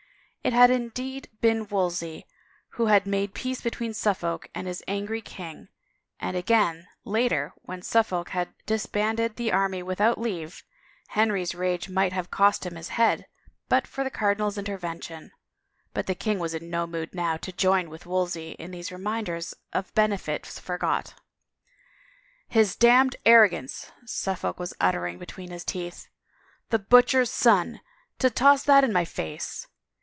— it had indeed been Wolsey who had made peace between Suffolk and his angry king, and again, later, when Suffolk had disbanded the army without leave, Henry's rage might have cost him his head but for the cardinal's intervention, but the king was in no mood now to join with Wolsey in these reminders of benefits forgot. " His damned arrogance !" Suffolk was uttering be tween his teeth. " The butcher's son — to toss that in my face!